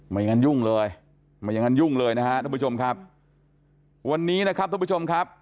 ไม่งั้นยุ่งเลยไม่อย่างนั้นยุ่งเลยนะฮะทุกผู้ชมครับวันนี้นะครับทุกผู้ชมครับ